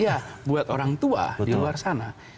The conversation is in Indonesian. iya buat orang tua di luar sana